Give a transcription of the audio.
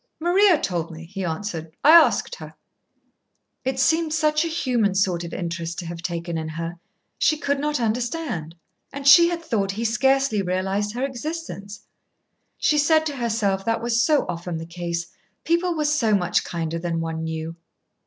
"Maria told me," he answered, "I asked her." It seemed such a human sort of interest to have taken in her. She could not understand. And she had thought he scarcely realised her existence. She said to herself that was so often the case people were so much kinder than one knew.